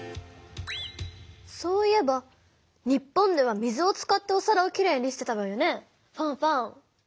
そういえば日本では水を使っておさらをきれいにしてたわよねファンファン。